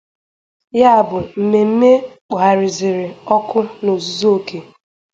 ya bụ mmemme kpògharazịrị ọkụ n'ozuzuoke